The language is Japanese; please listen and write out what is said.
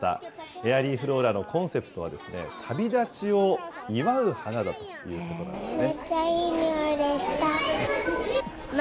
エアリーフローラのコンセプトは、旅立ちを祝う花だということなんですね。